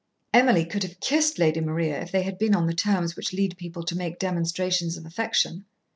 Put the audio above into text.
Emily could have kissed Lady Maria if they had been on the terms which lead people to make demonstrations of affection.